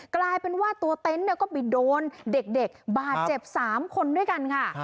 กลายเป็นว่าตัวเต็นต์ก็ไปโดนเด็กบาดเจ็บ๓คนด้วยกันค่ะ